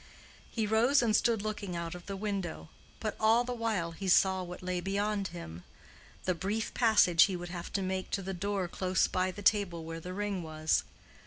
He rose and stood looking out of the window, but all the while he saw what lay beyond him—the brief passage he would have to make to the door close by the table where the ring was.